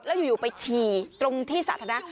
แล้วอยู่ไปฉี่ตรงที่สาธารณะ